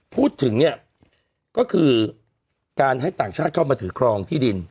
พูดถึงเนี่ยก็คือการให้ต่างชาติเข้ามาถือครองที่ดิน